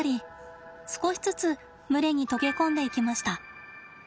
少しずつ群れに溶け込んでいきました。